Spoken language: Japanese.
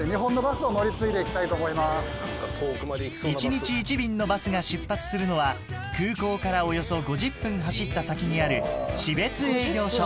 １日１便のバスが出発するのは空港からおよそ５０分走った先にある標津営業所